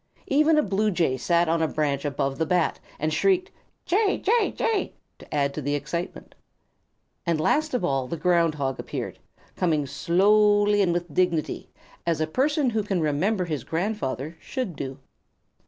Even a Blue Jay sat on a branch above the Bat and shrieked, "Jay! Jay! Jay!" to add to the excitement. And last of all, the Ground Hog appeared, coming slowly and with dignity, as a person who can remember his grandfather should do.